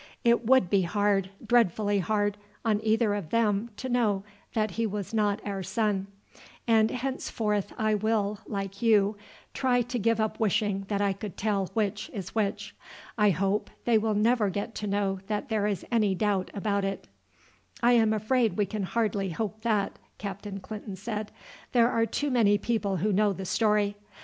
It would be hard, dreadfully hard, on either of them to know that he was not our son; and henceforth I will, like you, try to give up wishing that I could tell which is which. I hope they will never get to know that there is any doubt about it." "I am afraid we can hardly hope that," Captain Clinton said. "There are too many people who know the story.